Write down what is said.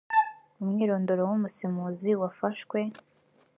umwirondoro w umusemuzi wafashwe